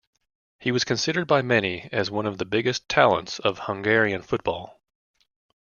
He was considered by many as one of the biggest talents of Hungarian football.